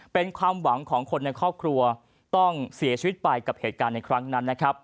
เป็นความหวังของคนในครอบครัวต้องเสียชีวิตไปกับเหตุการณ์ในครั้งนั้นนะครับ